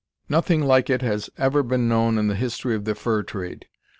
"Nothing like it has ever been known in the history of the fur trade.